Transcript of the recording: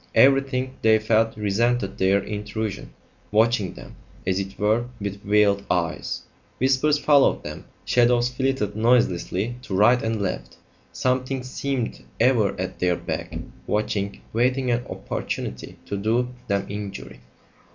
Everything, they felt, resented their intrusion, watching them, as it were, with veiled eyes; whispers followed them; shadows flitted noiselessly to right and left; something seemed ever at their back, watching, waiting an opportunity to do them injury.